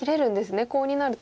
コウになると。